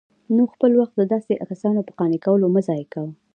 نو خپل وخت د داسي كسانو په قانع كولو مه ضايع كوه